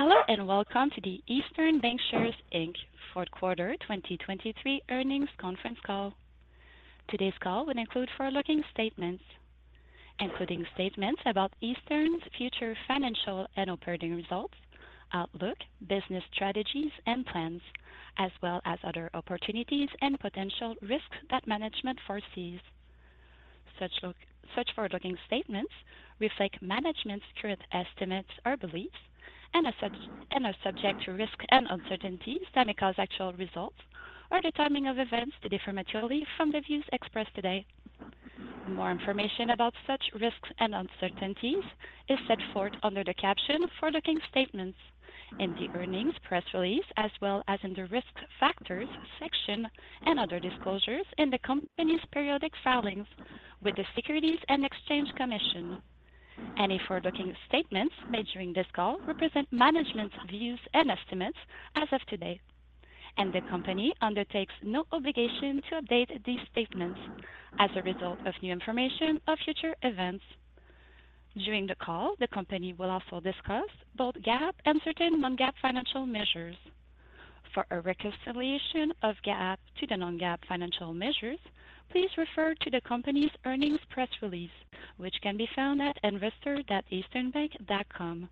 Hello, and welcome to the Eastern Bankshares Inc fourth quarter 2023 earnings conference call. Today's call will include forward-looking statements, including statements about Eastern's future financial and operating results, outlook, business strategies and plans, as well as other opportunities and potential risks that management foresees. Such forward-looking statements reflect management's current estimates or beliefs, and are subject to risks and uncertainties that may cause actual results or the timing of events to differ materially from the views expressed today. More information about such risks and uncertainties is set forth under the caption Forward-Looking Statements in the earnings press release, as well as in the Risk Factors section and other disclosures in the company's periodic filings with the Securities and Exchange Commission. Any forward-looking statements made during this call represent management's views and estimates as of today, and the company undertakes no obligation to update these statements as a result of new information or future events. During the call, the company will also discuss both GAAP and certain non-GAAP financial measures. For a reconciliation of GAAP to the non-GAAP financial measures, please refer to the company's earnings press release, which can be found at investor.easternbank.com.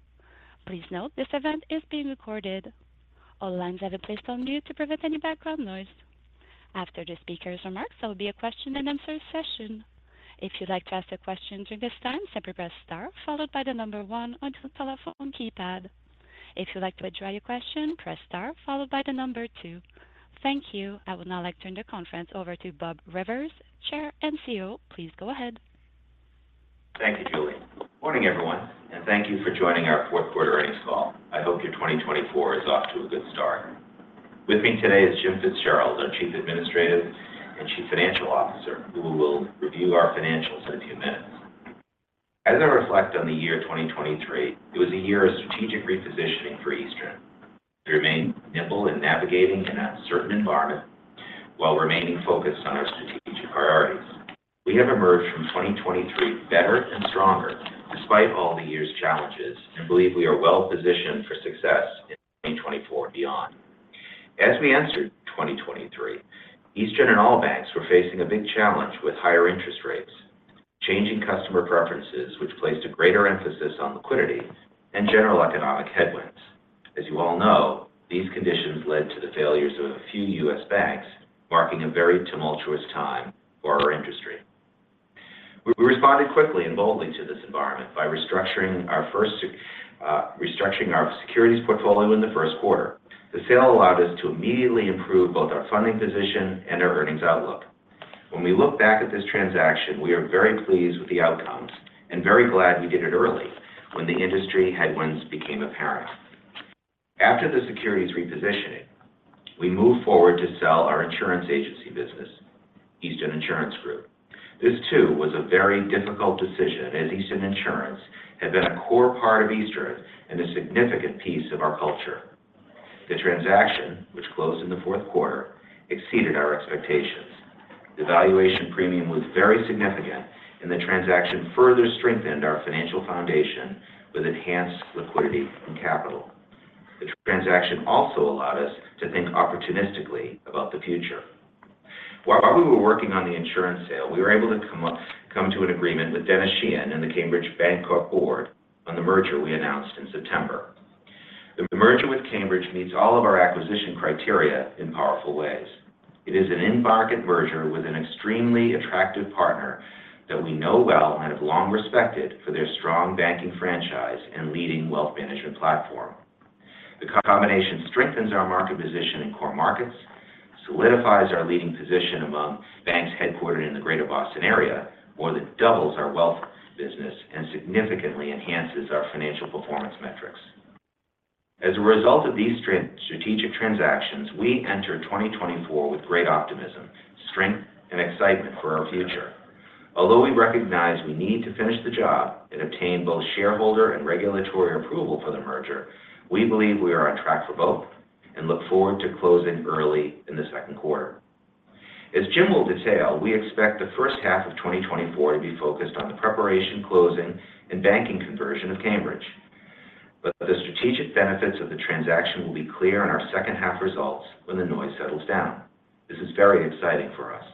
Please note, this event is being recorded. All lines have been placed on mute to prevent any background noise. After the speaker's remarks, there will be a question and answer session. If you'd like to ask a question during this time, simply press Star followed by the number one on your telephone keypad. If you'd like to withdraw your question, press Star followed by the number two. Thank you. I would now like to turn the conference over to Bob Rivers, Chair and CEO. Please go ahead. Thank you, Julie. Morning, everyone, and thank you for joining our fourth quarter earnings call. I hope your 2024 is off to a good start. With me today is Jim Fitzgerald, our Chief Administrative and Chief Financial Officer, who will review our financials in a few minutes. As I reflect on the year 2023, it was a year of strategic repositioning for Eastern. We remained nimble in navigating an uncertain environment while remaining focused on our strategic priorities. We have emerged from 2023 better and stronger despite all the year's challenges, and believe we are well positioned for success in 2024 and beyond. As we entered 2023, Eastern and all banks were facing a big challenge with higher interest rates, changing customer preferences, which placed a greater emphasis on liquidity and general economic headwinds. As you all know, these conditions led to the failures of a few U.S. banks, marking a very tumultuous time for our industry. We responded quickly and boldly to this environment by restructuring our first, restructuring our securities portfolio in the first quarter. The sale allowed us to immediately improve both our funding position and our earnings outlook. When we look back at this transaction, we are very pleased with the outcomes and very glad we did it early, when the industry headwinds became apparent. After the securities repositioning, we moved forward to sell our insurance agency business, Eastern Insurance Group. This, too, was a very difficult decision, as Eastern Insurance had been a core part of Eastern and a significant piece of our culture. The transaction, which closed in the fourth quarter, exceeded our expectations. The valuation premium was very significant, and the transaction further strengthened our financial foundation with enhanced liquidity and capital. The transaction also allowed us to think opportunistically about the future. While we were working on the insurance sale, we were able to come to an agreement with Denis Sheahan and the Cambridge Bancorp board on the merger we announced in September. The merger with Cambridge meets all of our acquisition criteria in powerful ways. It is an in-market merger with an extremely attractive partner that we know well and have long respected for their strong banking franchise and leading wealth management platform. The combination strengthens our market position in core markets, solidifies our leading position among banks headquartered in the Greater Boston area, more than doubles our wealth business, and significantly enhances our financial performance metrics. As a result of these strategic transactions, we enter 2024 with great optimism, strength, and excitement for our future. Although we recognize we need to finish the job and obtain both shareholder and regulatory approval for the merger, we believe we are on track for both and look forward to closing early in the second quarter. As Jim will detail, we expect the first half of 2024 to be focused on the preparation, closing, and banking conversion of Cambridge. But the strategic benefits of the transaction will be clear in our second half results when the noise settles down. This is very exciting for us.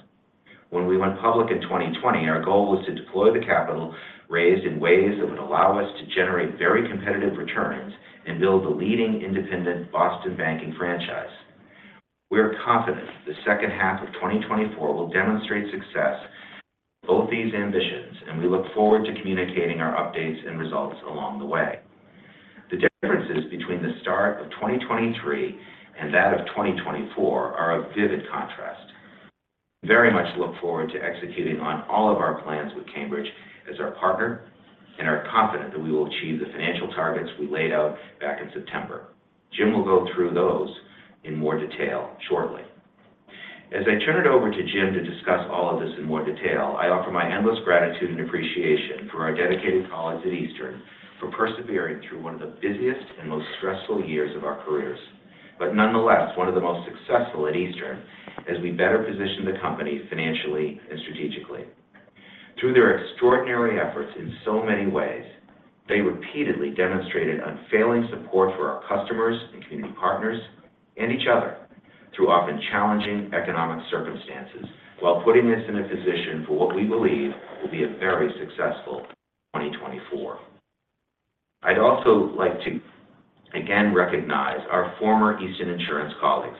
When we went public in 2020, our goal was to deploy the capital raised in ways that would allow us to generate very competitive returns and build a leading independent Boston banking franchise. We are confident the second half of 2024 will demonstrate success in both these ambitions, and we look forward to communicating our updates and results along the way. The differences between the start of 2023 and that of 2024 are of vivid contrast. We very much look forward to executing on all of our plans with Cambridge as our partner and are confident that we will achieve the financial targets we laid out back in September. Jim will go through those in more detail shortly. As I turn it over to Jim to discuss all of this in more detail, I offer my endless gratitude and appreciation for our dedicated colleagues at Eastern for persevering through one of the busiest and most stressful years of our careers, but nonetheless, one of the most successful at Eastern as we better position the company financially and strategically.... Through their extraordinary efforts in so many ways, they repeatedly demonstrated unfailing support for our customers and community partners and each other through often challenging economic circumstances, while putting us in a position for what we believe will be a very successful 2024. I'd also like to again recognize our former Eastern Insurance colleagues.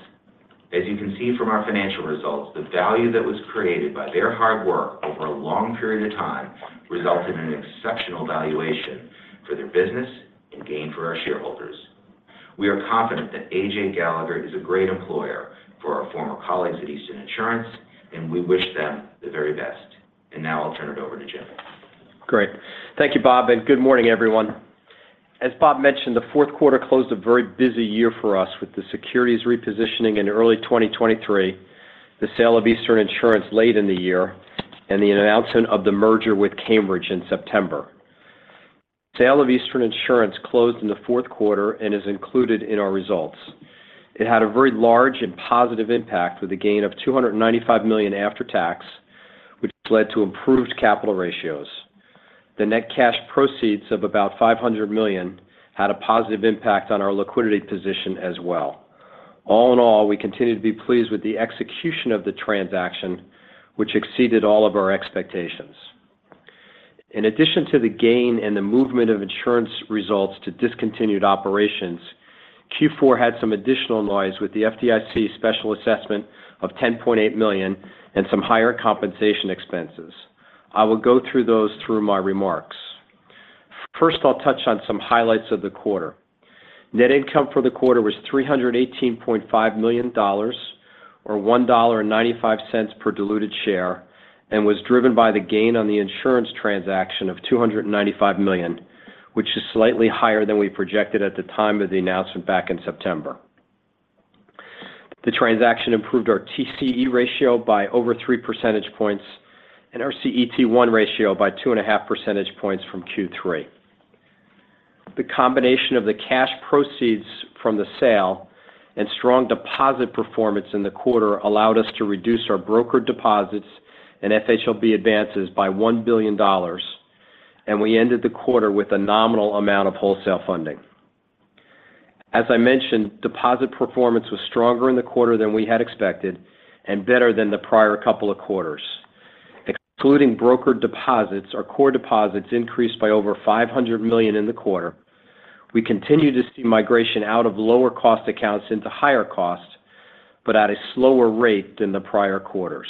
As you can see from our financial results, the value that was created by their hard work over a long period of time resulted in an exceptional valuation for their business and gain for our shareholders. We are confident that A.J. Gallagher is a great employer for our former colleagues at Eastern Insurance, and we wish them the very best. Now I'll turn it over to Jim. Great. Thank you, Bob, and good morning, everyone. As Bob mentioned, the fourth quarter closed a very busy year for us with the securities repositioning in early 2023, the sale of Eastern Insurance late in the year, and the announcement of the merger with Cambridge in September. Sale of Eastern Insurance closed in the fourth quarter and is included in our results. It had a very large and positive impact with a gain of $295 million after tax, which led to improved capital ratios. The net cash proceeds of about $500 million had a positive impact on our liquidity position as well. All in all, we continue to be pleased with the execution of the transaction, which exceeded all of our expectations. In addition to the gain and the movement of insurance results to discontinued operations, Q4 had some additional noise with the FDIC special assessment of $10.8 million and some higher compensation expenses. I will go through those, through my remarks. First, I'll touch on some highlights of the quarter. Net income for the quarter was $318.5 million, or $1.95 per diluted share, and was driven by the gain on the insurance transaction of $295 million, which is slightly higher than we projected at the time of the announcement back in September. The transaction improved our TCE ratio by over 3 percentage points and our CET1 ratio by 2.5 percentage points from Q3. The combination of the cash proceeds from the sale and strong deposit performance in the quarter allowed us to reduce our brokered deposits and FHLB advances by $1 billion, and we ended the quarter with a nominal amount of wholesale funding. As I mentioned, deposit performance was stronger in the quarter than we had expected and better than the prior couple of quarters. Excluding brokered deposits, our core deposits increased by over $500 million in the quarter. We continue to see migration out of lower-cost accounts into higher-cost accounts, but at a slower rate than the prior quarters.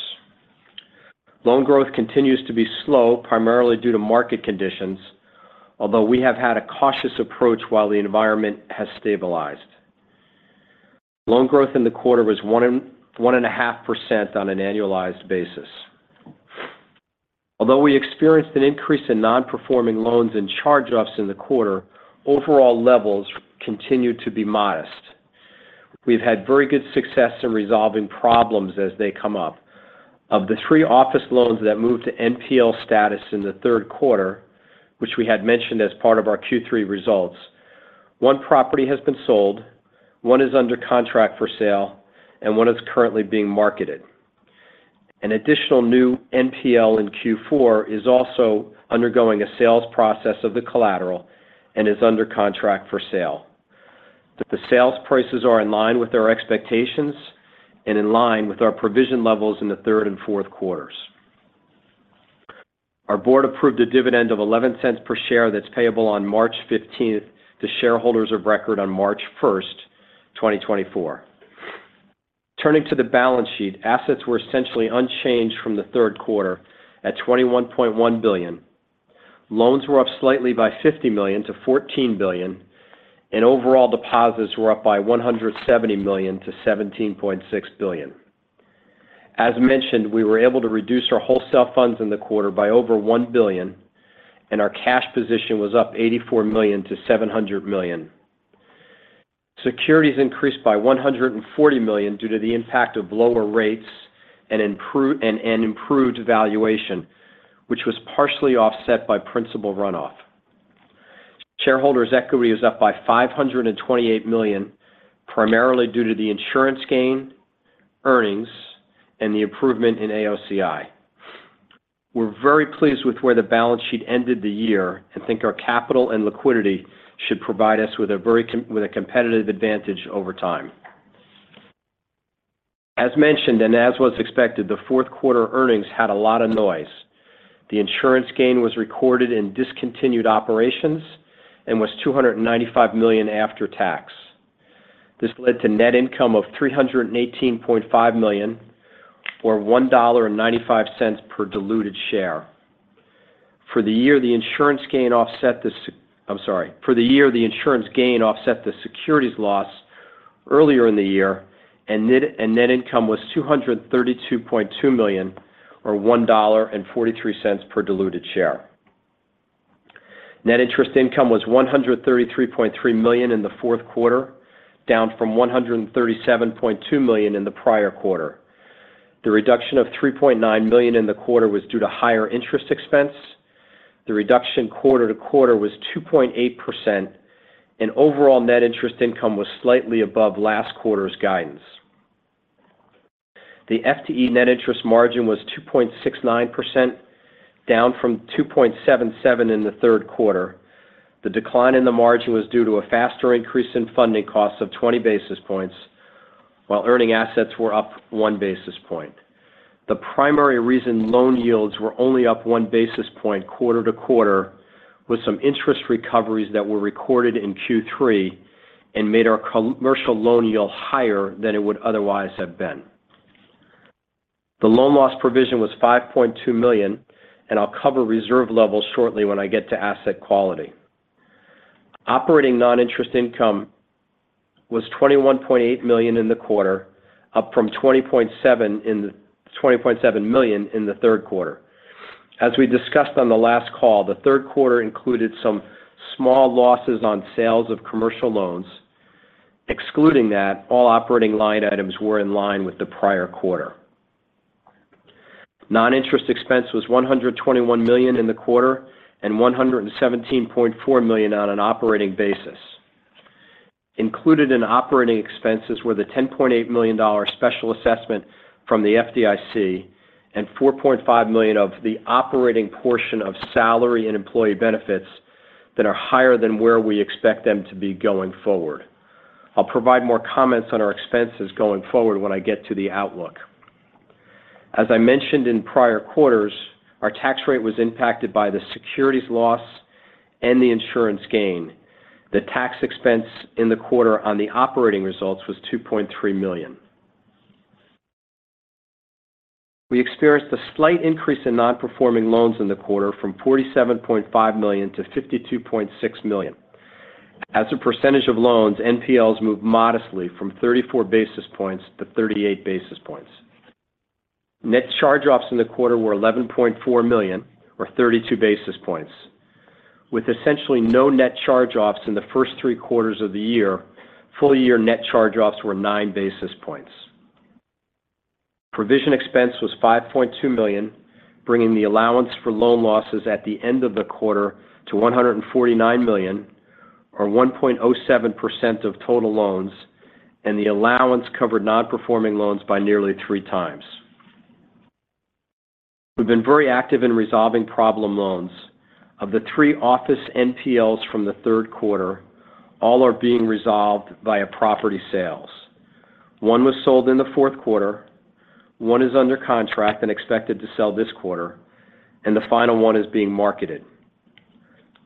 Loan growth continues to be slow, primarily due to market conditions, although we have had a cautious approach while the environment has stabilized. Loan growth in the quarter was 1.5% on an annualized basis. Although we experienced an increase in non-performing loans and charge-offs in the quarter, overall levels continued to be modest. We've had very good success in resolving problems as they come up. Of the three office loans that moved to NPL status in the third quarter, which we had mentioned as part of our Q3 results, one property has been sold, one is under contract for sale, and one is currently being marketed. An additional new NPL in Q4 is also undergoing a sales process of the collateral and is under contract for sale. The sales prices are in line with our expectations and in line with our provision levels in the third and fourth quarters. Our board approved a dividend of $0.11 per share that's payable on March fifteenth to shareholders of record on March first, 2024. Turning to the balance sheet, assets were essentially unchanged from the third quarter at $21.1 billion. Loans were up slightly by $50 million to $14 billion, and overall deposits were up by $170 million to $17.6 billion. As mentioned, we were able to reduce our wholesale funds in the quarter by over $1 billion, and our cash position was up $84 million to $700 million. Securities increased by $140 million due to the impact of lower rates and improved valuation, which was partially offset by principal runoff. Shareholders' equity is up by $528 million, primarily due to the insurance gain, earnings, and the improvement in AOCI. We're very pleased with where the balance sheet ended the year and think our capital and liquidity should provide us with a very competitive advantage over time. As mentioned, and as was expected, the fourth quarter earnings had a lot of noise. The insurance gain was recorded in discontinued operations and was $295 million after tax. This led to net income of $318.5 million, or $1.95 per diluted share. For the year, the insurance gain offset the securities loss earlier in the year, and net income was $232.2 million, or $1.43 per diluted share. Net interest income was $133.3 million in the fourth quarter, down from $137.2 million in the prior quarter. The reduction of $3.9 million in the quarter was due to higher interest expense. The reduction quarter to quarter was 2.8%, and overall net interest income was slightly above last quarter's guidance. The FTE net interest margin was 2.69%, down from 2.77% in the third quarter. The decline in the margin was due to a faster increase in funding costs of 20 basis points, while earning assets were up 1 basis point. The primary reason loan yields were only up 1 basis point quarter to quarter was some interest recoveries that were recorded in Q3 and made our commercial loan yield higher than it would otherwise have been. The loan loss provision was $5.2 million, and I'll cover reserve levels shortly when I get to asset quality. Operating non-interest income was $21.8 million in the quarter, up from $20.7 million in the third quarter. As we discussed on the last call, the third quarter included some small losses on sales of commercial loans. Excluding that, all operating line items were in line with the prior quarter. Non-interest expense was $121 million in the quarter, and $117.4 million on an operating basis. Included in operating expenses were the $10.8 million special assessment from the FDIC, and $4.5 million of the operating portion of salary and employee benefits that are higher than where we expect them to be going forward. I'll provide more comments on our expenses going forward when I get to the outlook. As I mentioned in prior quarters, our tax rate was impacted by the securities loss and the insurance gain. The tax expense in the quarter on the operating results was $2.3 million. We experienced a slight increase in non-performing loans in the quarter from $47.5 million to $52.6 million. As a percentage of loans, NPLs moved modestly from 34 basis points to 38 basis points. Net charge-offs in the quarter were $11.4 million, or 32 basis points. With essentially no net charge-offs in the first three quarters of the year, full year net charge-offs were 9 basis points. Provision expense was $5.2 million, bringing the allowance for loan losses at the end of the quarter to $149 million, or 1.07% of total loans, and the allowance covered non-performing loans by nearly 3 times. We've been very active in resolving problem loans. Of the 3 office NPLs from the third quarter, all are being resolved via property sales. 1 was sold in the fourth quarter, 1 is under contract and expected to sell this quarter, and the final 1 is being marketed.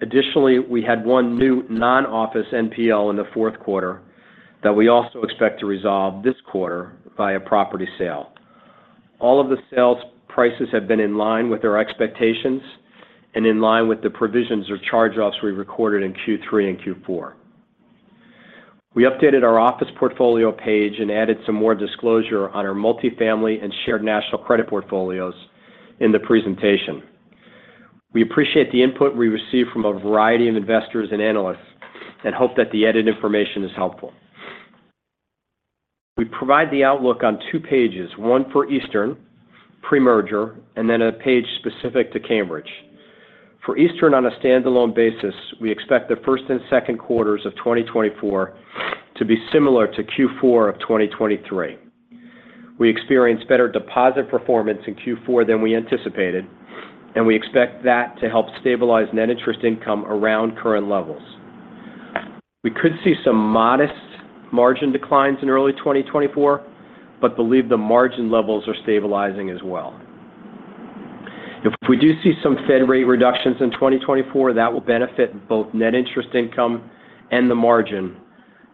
Additionally, we had 1 new non-office NPL in the fourth quarter that we also expect to resolve this quarter via property sale. All of the sales prices have been in line with our expectations and in line with the provisions or charge-offs we recorded in Q3 and Q4. We updated our office portfolio page and added some more disclosure on our multifamily and Shared National Credit portfolios in the presentation. We appreciate the input we received from a variety of investors and analysts and hope that the added information is helpful. We provide the outlook on two pages, one for Eastern pre-merger, and then a page specific to Cambridge. For Eastern on a standalone basis, we expect the first and second quarters of 2024 to be similar to Q4 of 2023. We experienced better deposit performance in Q4 than we anticipated, and we expect that to help stabilize net interest income around current levels. We could see some modest margin declines in early 2024, but believe the margin levels are stabilizing as well. If we do see some Fed rate reductions in 2024, that will benefit both net interest income and the margin,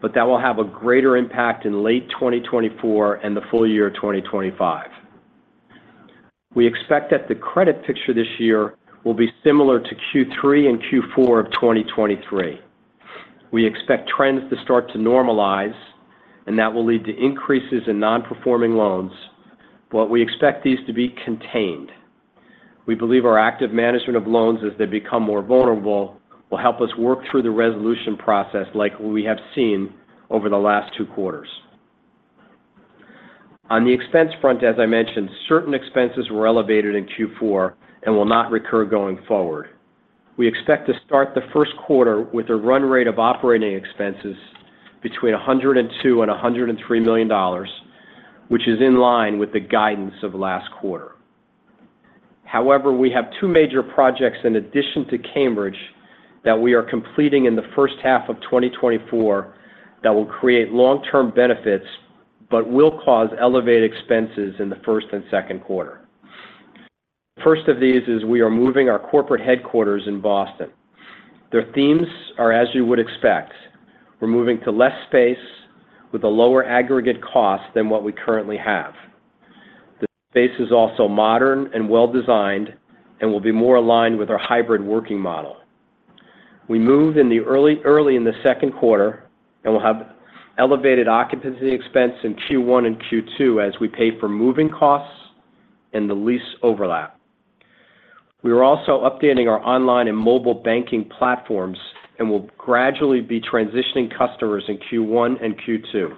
but that will have a greater impact in late 2024 and the full year of 2025. We expect that the credit picture this year will be similar to Q3 and Q4 of 2023. We expect trends to start to normalize, and that will lead to increases in non-performing loans, but we expect these to be contained. We believe our active management of loans, as they become more vulnerable, will help us work through the resolution process like what we have seen over the last two quarters. On the expense front, as I mentioned, certain expenses were elevated in Q4 and will not recur going forward. We expect to start the first quarter with a run rate of operating expenses between $102 million and $103 million, which is in line with the guidance of last quarter. However, we have two major projects in addition to Cambridge, that we are completing in the first half of 2024, that will create long-term benefits, but will cause elevated expenses in the first and second quarter. First of these is we are moving our corporate headquarters in Boston. The themes are as you would expect. We're moving to less space with a lower aggregate cost than what we currently have. The space is also modern and well-designed and will be more aligned with our hybrid working model. We move in early in the second quarter and we'll have elevated occupancy expense in Q1 and Q2 as we pay for moving costs and the lease overlap. We are also updating our online and mobile banking platforms and will gradually be transitioning customers in Q1 and Q2.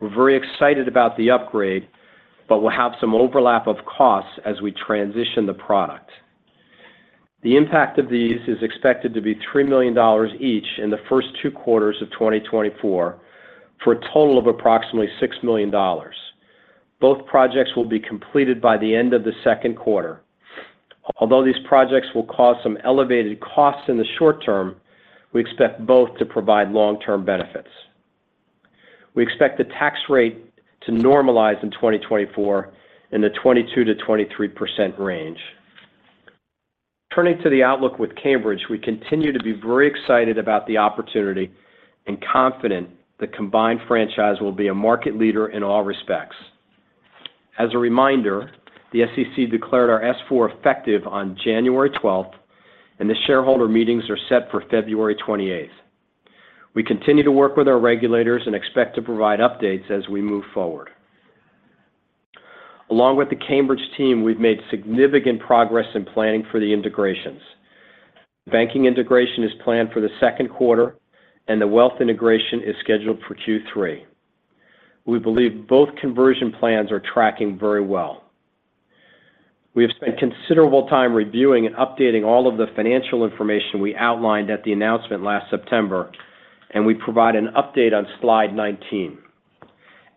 We're very excited about the upgrade, but we'll have some overlap of costs as we transition the product. The impact of these is expected to be $3 million each in the first two quarters of 2024, for a total of approximately $6 million. Both projects will be completed by the end of the second quarter. Although these projects will cause some elevated costs in the short term, we expect both to provide long-term benefits. We expect the tax rate to normalize in 2024 in the 22%-23% range. Turning to the outlook with Cambridge, we continue to be very excited about the opportunity and confident the combined franchise will be a market leader in all respects. As a reminder, the SEC declared our S-4 effective on January 12th, and the shareholder meetings are set for February 28th. We continue to work with our regulators and expect to provide updates as we move forward. Along with the Cambridge team, we've made significant progress in planning for the integrations. Banking integration is planned for the second quarter, and the wealth integration is scheduled for Q3. We believe both conversion plans are tracking very well. We have spent considerable time reviewing and updating all of the financial information we outlined at the announcement last September, and we provide an update on slide 19.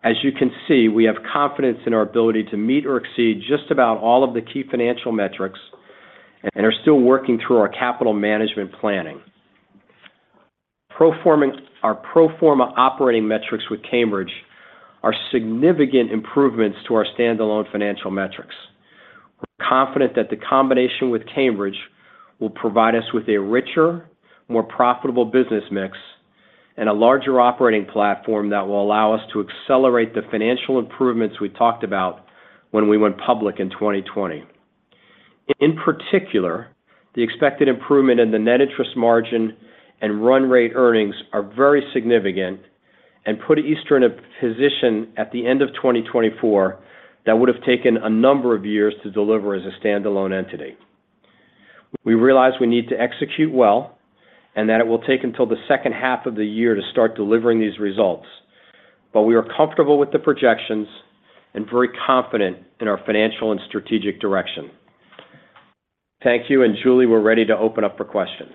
As you can see, we have confidence in our ability to meet or exceed just about all of the key financial metrics, and are still working through our capital management planning. Our pro forma operating metrics with Cambridge are significant improvements to our standalone financial metrics. We're confident that the combination with Cambridge will provide us with a richer, more profitable business mix and a larger operating platform that will allow us to accelerate the financial improvements we talked about when we went public in 2020. In particular, the expected improvement in the net interest margin and run rate earnings are very significant and put Eastern in a position at the end of 2024 that would have taken a number of years to deliver as a standalone entity. We realize we need to execute well and that it will take until the second half of the year to start delivering these results. But we are comfortable with the projections and very confident in our financial and strategic direction. Thank you, and Julie, we're ready to open up for questions.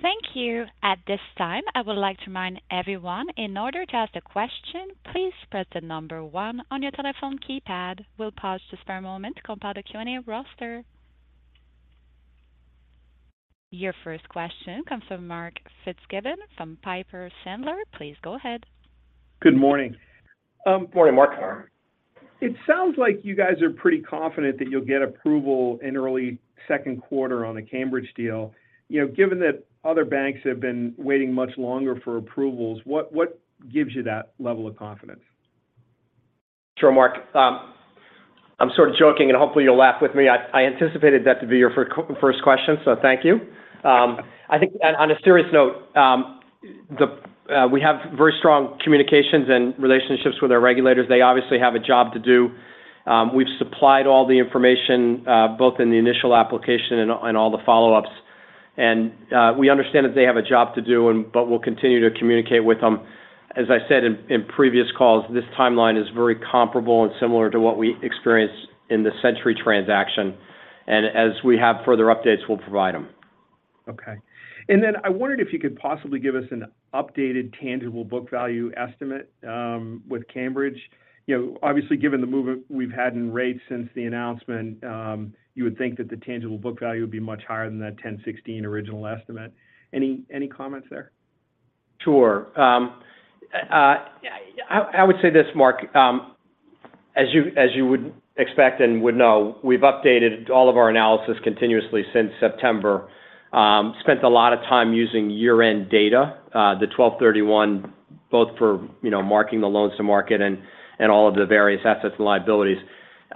Thank you. At this time, I would like to remind everyone, in order to ask a question, please press the number one on your telephone keypad. We'll pause just for a moment to compile the Q&A roster. Your first question comes from Mark Fitzgibbon from Piper Sandler. Please go ahead. Good morning. Good morning, Mark. It sounds like you guys are pretty confident that you'll get approval in early second quarter on the Cambridge deal. You know, given that other banks have been waiting much longer for approvals, what, what gives you that level of confidence? Sure, Mark. I'm sort of joking, and hopefully you'll laugh with me. I anticipated that to be your first question, so thank you. I think on a serious note, we have very strong communications and relationships with our regulators. They obviously have a job to do. We've supplied all the information, both in the initial application and all the follow-ups. And we understand that they have a job to do and but we'll continue to communicate with them. As I said in previous calls, this timeline is very comparable and similar to what we experienced in the Century transaction, and as we have further updates, we'll provide them. Okay. And then I wondered if you could possibly give us an updated tangible book value estimate, with Cambridge. You know, obviously, given the move we've had in rates since the announcement, you would think that the tangible book value would be much higher than that $10.16 original estimate. Any, any comments there? Sure. I would say this, Mark, as you would expect and would know, we've updated all of our analysis continuously since September. Spent a lot of time using year-end data, the 12/31, both for, you know, marking the loans to market and all of the various assets and liabilities.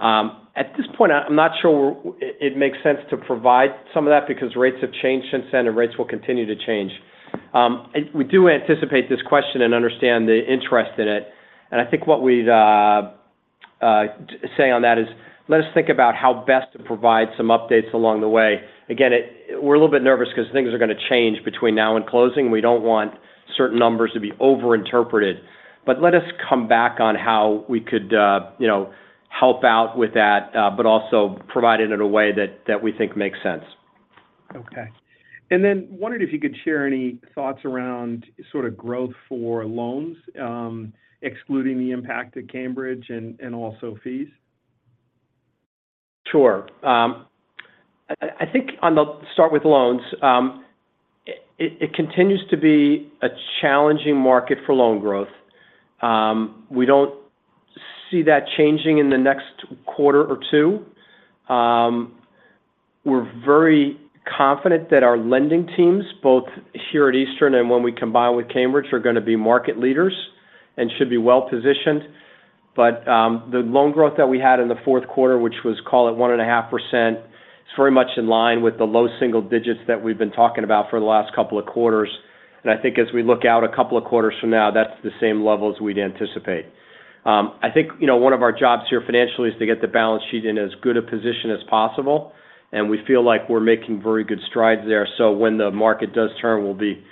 At this point, I'm not sure it makes sense to provide some of that because rates have changed since then, and rates will continue to change. And we do anticipate this question and understand the interest in it, and I think what we'd say on that is, let us think about how best to provide some updates along the way. Again, we're a little bit nervous because things are going to change between now and closing. We don't want certain numbers to be overinterpreted, but let us come back on how we could, you know, help out with that, but also provide it in a way that we think makes sense. Okay. Then I wondered if you could share any thoughts around sort of growth for loans, excluding the impact of Cambridge and also fees? Sure. I think on the... Start with loans. It continues to be a challenging market for loan growth. We don't see that changing in the next quarter or two. We're very confident that our lending teams, both here at Eastern and when we combine with Cambridge, are going to be market leaders and should be well-positioned. But, the loan growth that we had in the fourth quarter, which was, call it, 1.5%, is very much in line with the low single digits that we've been talking about for the last couple of quarters. And I think as we look out a couple of quarters from now, that's the same levels we'd anticipate. I think, you know, one of our jobs here financially is to get the balance sheet in as good a position as possible, and we feel like we're making very good strides there. So when the market does turn, we'll be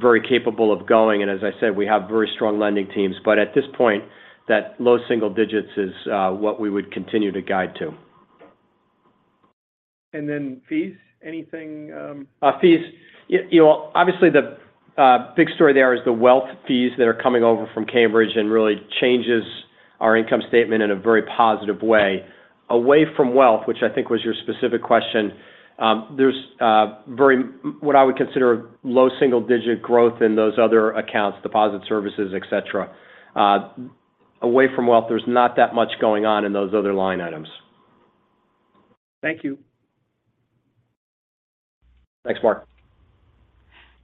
very capable of going, and as I said, we have very strong lending teams. But at this point, that low single digits is what we would continue to guide to. Then fees? Anything, Fees, you know, obviously, the big story there is the wealth fees that are coming over from Cambridge, and really changes our income statement in a very positive way. Away from wealth, which I think was your specific question, there's very, what I would consider low single-digit growth in those other accounts, deposit services, et cetera. Away from wealth, there's not that much going on in those other line items. Thank you. Thanks, Mark.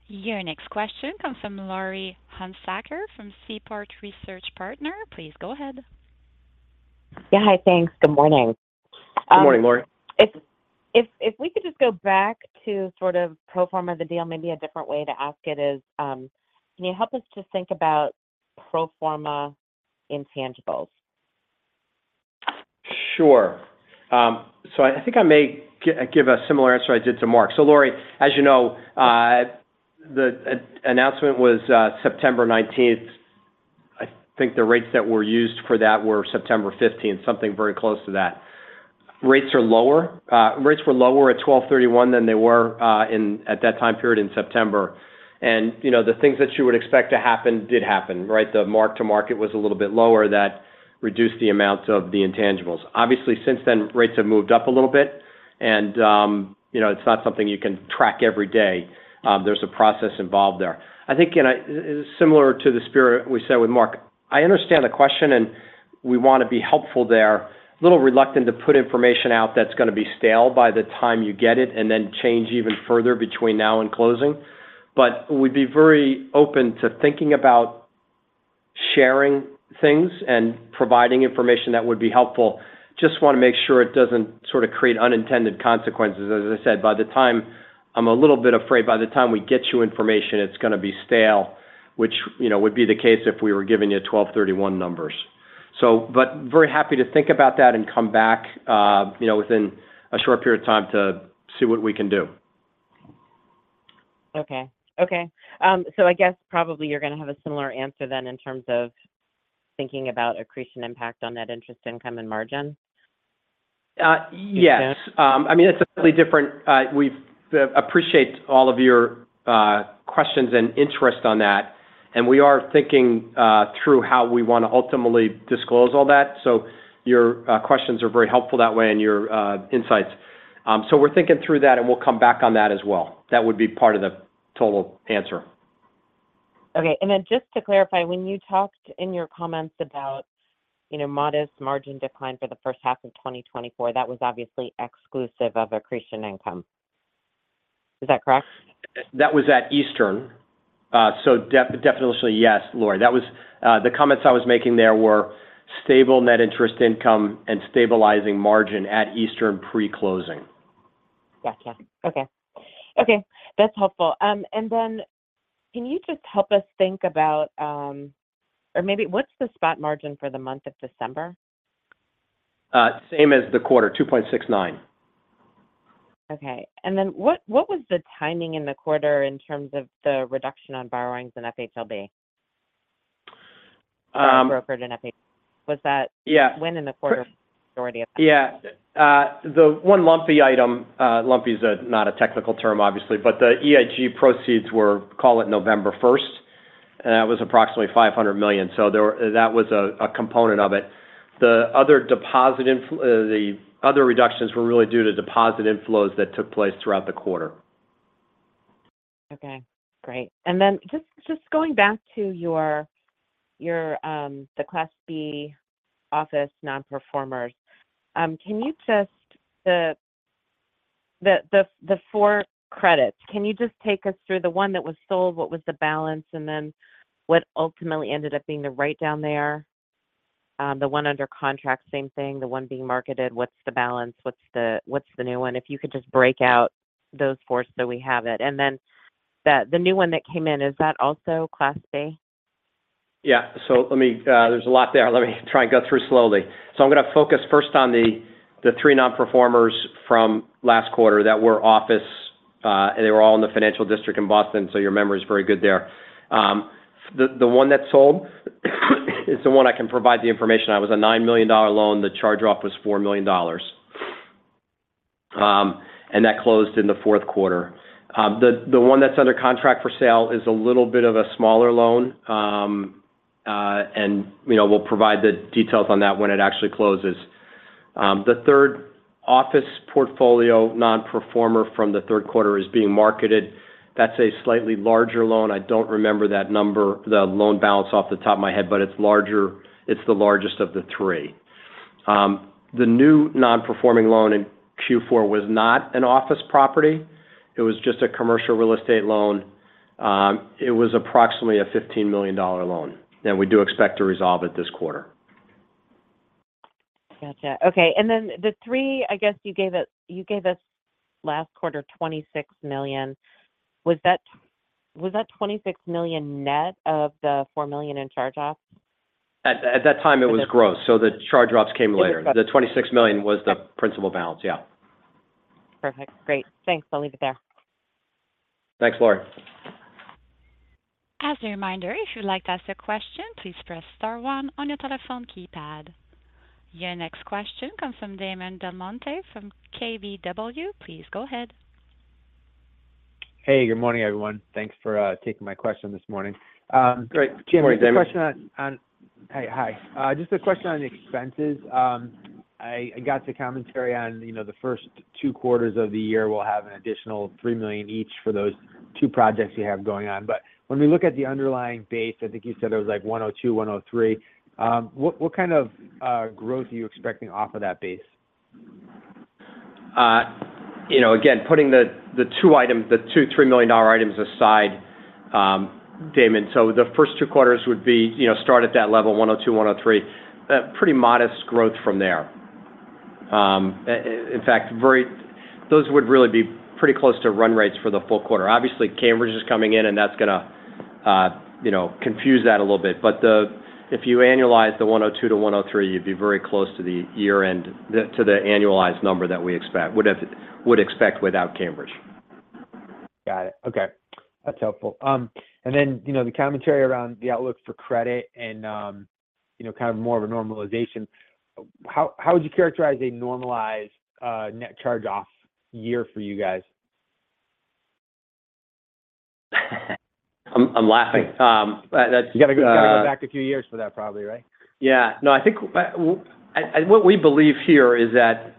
Your next question comes from Laurie Hunsicker from Seaport Research Partners. Please go ahead. Yeah, hi. Thanks. Good morning. Good morning, Laurie. If we could just go back to sort of pro forma the deal, maybe a different way to ask it is, can you help us just think about pro forma intangibles? Sure. So I think I may give a similar answer I did to Mark. So Laurie, as you know, the announcement was September 19. I think the rates that were used for that were September 15, something very close to that. Rates are lower. Rates were lower at 12/31 than they were at that time period in September. And you know, the things that you would expect to happen did happen, right? The mark to market was a little bit lower, that reduced the amount of the intangibles. Obviously, since then, rates have moved up a little bit, and you know, it's not something you can track every day. There's a process involved there. I think, and similar to the spirit we said with Mark, I understand the question, and we want to be helpful there. A little reluctant to put information out that's going to be stale by the time you get it, and then change even further between now and closing. But we'd be very open to thinking about sharing things and providing information that would be helpful. Just want to make sure it doesn't sort of create unintended consequences. As I said, by the time, I'm a little bit afraid, by the time we get you information, it's going to be stale, which, you know, would be the case if we were giving you 12/31 numbers. So, but very happy to think about that and come back, you know, within a short period of time to see what we can do. Okay. Okay. So I guess probably you're going to have a similar answer then, in terms of thinking about accretion impact on net interest income and margin? Uh, yes. Okay. I mean, it's a slightly different. We appreciate all of your questions and interest on that, and we are thinking through how we want to ultimately disclose all that. So your questions are very helpful that way and your insights. So we're thinking through that, and we'll come back on that as well. That would be part of the total answer. Okay. Then just to clarify, when you talked in your comments about, you know, modest margin decline for the first half of 2024, that was obviously exclusive of accretion income. Is that correct? That was at Eastern. So definitionally, yes, Laurie. That was the comments I was making there were stable net interest income and stabilizing margin at Eastern pre-closing. Gotcha. Okay. Okay, that's helpful. And then can you just help us think about, or maybe what's the spot margin for the month of December? Same as the quarter, 2.69. Okay. And then what was the timing in the quarter in terms of the reduction on borrowings in FHLB? Um- Brokered in FHLB. Was that- Yeah. When in the quarter majority of that? Yeah. The one lumpy item, lumpy is a, not a technical term, obviously, but the EIG proceeds were, call it November first, and that was approximately $500 million. So there were that was a, a component of it. The other reductions were really due to deposit inflows that took place throughout the quarter. Okay, great. And then just going back to your Class B office non-performers. Can you just take us through the four credits, the one that was sold, what was the balance, and then what ultimately ended up being the write-down there? The one under contract, same thing. The one being marketed, what's the balance? What's the new one? If you could just break out those four so we have it. And then the new one that came in, is that also Class B? Yeah. So let me, there's a lot there. Let me try and go through slowly. So I'm going to focus first on the three non-performers from last quarter that were office, and they were all in the financial district in Boston, so your memory is very good there. The one that sold is the one I can provide the information on. It was a $9 million loan. The charge-off was $4 million. And that closed in the fourth quarter. The one that's under contract for sale is a little bit of a smaller loan. And, you know, we'll provide the details on that when it actually closes. The third office portfolio non-performer from the third quarter is being marketed. That's a slightly larger loan. I don't remember that number, the loan balance off the top of my head, but it's larger. It's the largest of the three. The new non-performing loan in Q4 was not an office property. It was just a commercial real estate loan. It was approximately a $15 million loan, and we do expect to resolve it this quarter. Gotcha. Okay, and then the three, I guess, you gave us, you gave us last quarter, $26 million. Was that was that $26 million net of the $4 million in charge-offs?... At that time, it was gross, so the charge-offs came later. The $26 million was the principal balance. Yeah. Perfect. Great. Thanks. I'll leave it there. Thanks, Laurie. As a reminder, if you'd like to ask a question, please press star one on your telephone keypad. Your next question comes from Damon DelMonte from KBW. Please go ahead. Hey, good morning, everyone. Thanks for taking my question this morning. Great. Good morning, Damon. Hey, hi. Just a question on the expenses. I got the commentary on, you know, the first two quarters of the year will have an additional $3 million each for those two projects you have going on. But when we look at the underlying base, I think you said it was like $102 million-$103 million, what kind of growth are you expecting off of that base? You know, again, putting the two items, the two three million dollar items aside, Damon, so the first two quarters would be, you know, start at that level, 102, 103. Pretty modest growth from there. In fact, very-- those would really be pretty close to run rates for the full quarter. Obviously, Cambridge is coming in, and that's going to, you know, confuse that a little bit. But the-- if you annualize the 102 to 103, you'd be very close to the year-end, the, to the annualized number that we expect, would have, would expect without Cambridge. Got it. Okay. That's helpful. And then, you know, the commentary around the outlook for credit and, you know, kind of more of a normalization. How would you characterize a normalized net charge-off year for you guys? I'm laughing. That's You got to go, got to go back a few years for that, probably, right? Yeah. No, I think what we believe here is that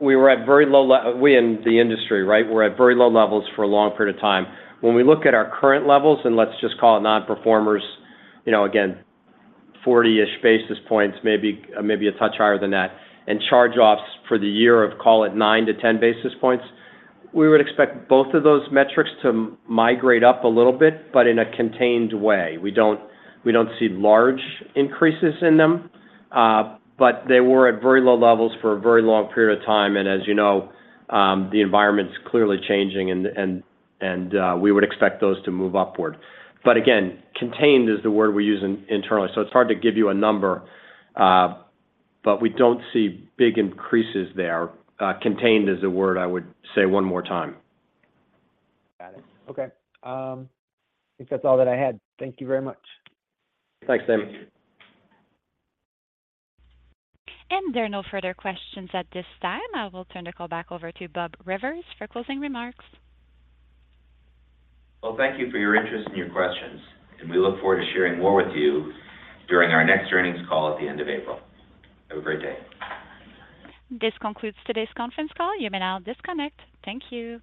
we were at very low levels – we in the industry, right? We're at very low levels for a long period of time. When we look at our current levels, and let's just call it nonperformers, you know, again, 40-ish basis points, maybe a touch higher than that, and charge-offs for the year of, call it, 9-10 basis points. We would expect both of those metrics to migrate up a little bit, but in a contained way. We don't see large increases in them, but they were at very low levels for a very long period of time. And as you know, the environment's clearly changing and we would expect those to move upward. But again, contained is the word we use internally, so it's hard to give you a number, but we don't see big increases there. Contained is the word I would say one more time. Got it. Okay. I think that's all that I had. Thank you very much. Thanks, Damon. There are no further questions at this time. I will turn the call back over to Bob Rivers for closing remarks. Well, thank you for your interest and your questions, and we look forward to sharing more with you during our next earnings call at the end of April. Have a great day. This concludes today's conference call. You may now disconnect. Thank you.